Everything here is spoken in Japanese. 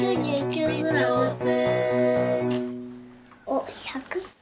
おっ１００。